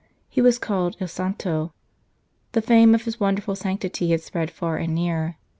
He was called II Santo ; the fame of his wonderful sanctity had spread far and near.